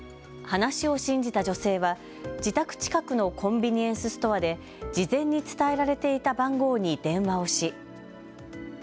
話を信じた女性は自宅近くのコンビニエンスストアで事前に伝えられていた番号に電話をし。